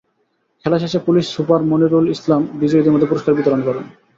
খেলা শেষে police super Monirul Islam বিজয়ীদের মধ্যে পুরস্কার বিতরণ করেন।